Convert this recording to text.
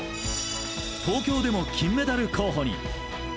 東京でも金メダル候補に。